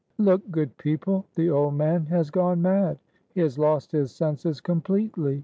"Look, good people! the old man has gone mad! He has lost his senses completely!"